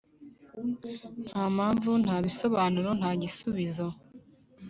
nta mpamvu, nta bisobanuro, nta gisubizo.